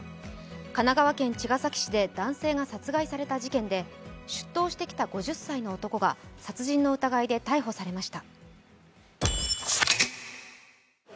神奈川県茅ヶ崎市で男性が殺害された事件で出頭してきた５０歳の男が殺人の疑いで逮捕されました。